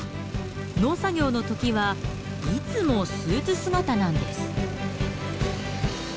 農作業のときはいつもスーツ姿なんです。